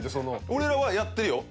俺らはやってるよ